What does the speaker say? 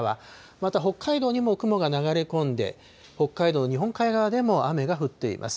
また、北海道にも雲が流れ込んで、北海道日本海側でも雨が降っています。